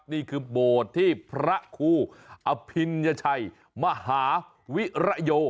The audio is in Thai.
นี่คือโบสถ์ที่พระครูอภิญญชัยมหาวิระโย